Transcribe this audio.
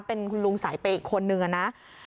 เป็นคุณลุงสายเปย์อีกคนนึงนะ